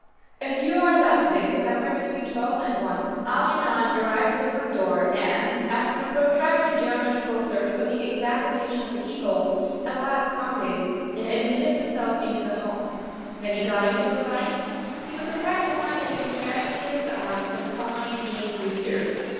A few hours after this, somewhere between twelve and one, Algernon arrived at the front door, and, after a protracted geometrical search for the exact location of the keyhole, at last found it and admitted himself into the hall. When he got into the light he was surprised to find that he was carrying under his arm a fine game rooster.